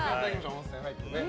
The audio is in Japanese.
温泉入ってね。